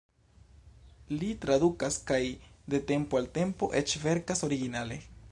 Li tradukas kaj de tempo al tempo eĉ verkas originale.